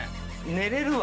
寝られる？